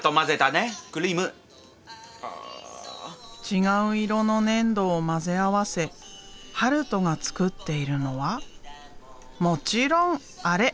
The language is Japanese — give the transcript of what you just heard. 違う色のねんどを混ぜ合わせ悠斗が作っているのはもちろんアレ！